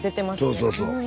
そうそうそう。